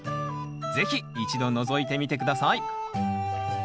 是非一度のぞいてみて下さい。